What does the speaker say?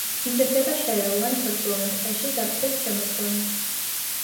იზრდება შერეულ ან ფოთლოვან ტყეში ზაფხულ-შემოდგომით.